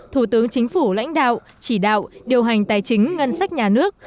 thủ tướng chính phủ lãnh đạo chỉ đạo điều hành tài chính ngân sách nhà nước